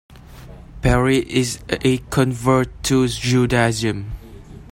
Perry is a convert to Judaism.